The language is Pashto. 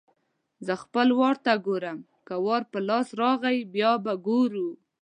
زه خپل وار ته ګورم؛ که وار په لاس راغی - بیا به ګورو.